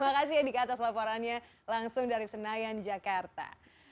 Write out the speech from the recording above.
makasih ya dika atas laporannya langsung dari senayan jakarta